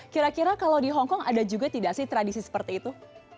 kira kira kalau di hongkong ada juga tidak sih tradisi seperti itu